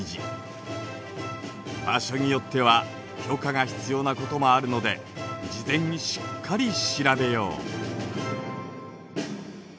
場所によっては許可が必要なこともあるので事前にしっかり調べよう。